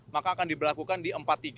maka akan diberlakukan di empat tiga